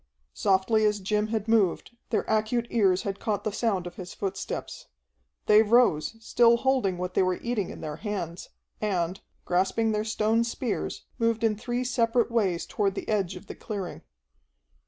Softly as Jim had moved, their acute ears had caught the sound of his footsteps. They rose, still holding what they were eating in their hands, and, grasping their stone spears, moved in three separate ways toward the edge of the clearing.